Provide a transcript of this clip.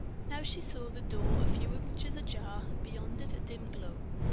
Now she saw the door a few inches ajar with, beyond it, a dim glow.